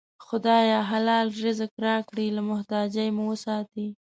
خدایه! حلال رزق راکړې، له محتاجۍ مو وساتې